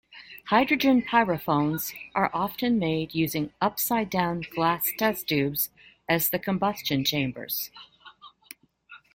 Hydrogen pyrophones are often made using upside-down glass test tubes as the combustion chambers.